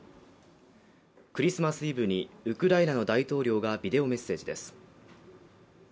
クリスマスイブにウクライナの大統領がビデオメッセージです。